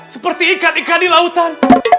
seperti ikan ikan di lautan